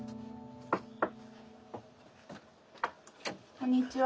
こんにちは。